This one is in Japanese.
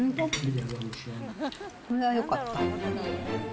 それはよかった。